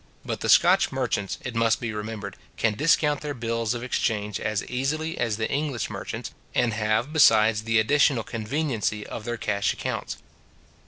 But the Scotch merchants, it must be remembered, can discount their bills of exchange as easily as the English merchants; and have, besides, the additional conveniency of their cash accounts.